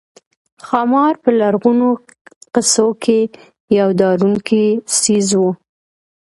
ښامار په لرغونو قصو کې یو ډارونکی څېز وو